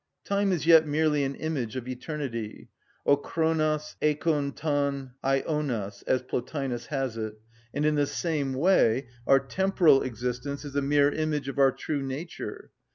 Time is yet merely an image of eternity, ὁ χρονος εἰκων τον αἰωνος, as Plotinus has it; and in the same way our temporal existence is a mere image of our true nature.